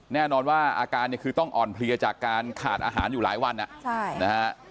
แน่นอนว่าอาการเนี่ยคือต้องอ่อนเพลียจากการขาดอาหารอยู่หลายวันนะฮะ